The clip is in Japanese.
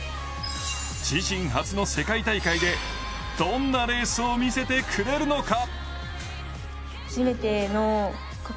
自身初の世界大会で、どんなレースを見せてくれるのか。